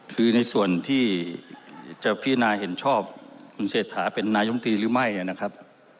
คือในส่วนที่จะพิจารณาเห็นชอบคุณเศรษฐาเป็นนายมตรีหรือไม่นะครับ